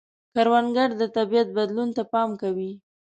کروندګر د طبیعت بدلون ته پام کوي